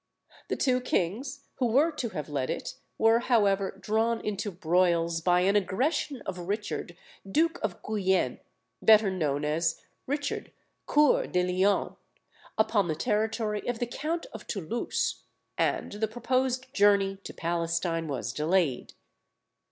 The two kings who were to have led it were, however, drawn into broils by an aggression of Richard duke of Guienne, better known as Richard Coeur de Lion, upon the territory of the Count of Toulouse, and the proposed journey to Palestine was delayed.